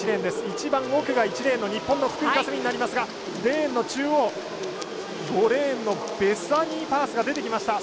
一番奥が１レーンの日本の福井香澄になりますがレーンの中央、５レーンのベサニー・ファースが出てきました。